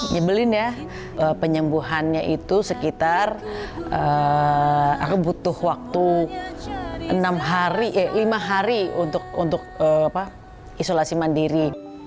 nyebelin ya penyembuhannya itu sekitar aku butuh waktu enam hari lima hari untuk isolasi mandiri